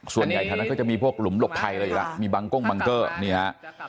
ส่วนใหญ่ทางนั้นก็จะมีพวกหลุมหลบไพเลยละมีบังกล้งบังเกอร์เนี่ย